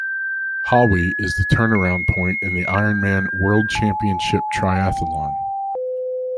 Hawi is the turnaround point for the Ironman World Championship Triathlon.